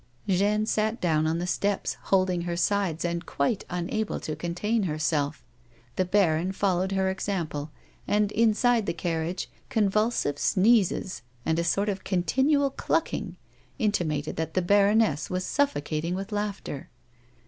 Jeanne sat down on the steps, holding her sides and quite unable to contain herself ; the baron followed her example, and, inside the carriage, convulsive sneezes and a sort of continual clucking intimated that the baroness was suffo cating with laughter.